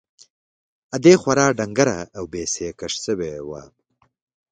ادې خورا ډنگره او بې سېکه سوې وه.